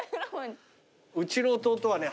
うちの弟はね